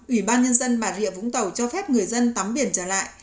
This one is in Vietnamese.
ủy ban nhân dân bà rịa vũng tàu cho phép người dân tắm biển trở lại